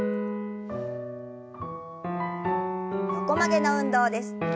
横曲げの運動です。